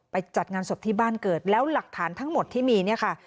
จัดงานศพที่บ้านเกิดแล้วหลักฐานทั้งหมดที่มีเนี่ยค่ะ